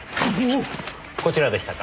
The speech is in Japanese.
こちらでしたか。